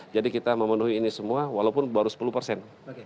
jadi kita memenuhi ini semua walaupun baru sepuluh persen